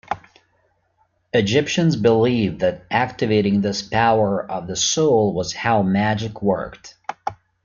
Egyptians believed that activating this power of the soul was how magic worked.